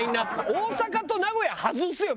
大阪と名古屋外すよ逆に。